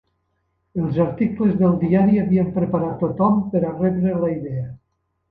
Els articles del diari havien preparat tothom per a rebre la idea.